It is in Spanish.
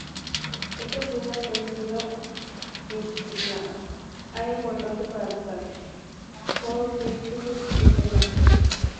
Estas islas han sido designadas "Área importante para las aves" por Birdlife International.